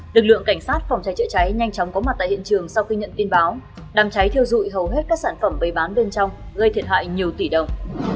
lực lượng cảnh sát phòng cháy chữa cháy nhanh chóng có mặt tại hiện trường sau khi nhận tin báo đám cháy thiêu dụi hầu hết các sản phẩm bày bán bên trong gây thiệt hại nhiều tỷ đồng